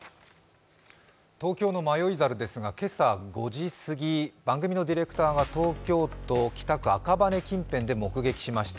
東京の迷い猿ですが今朝５時過ぎ、番組のディレクターが東京都北区赤羽近辺で目撃しました。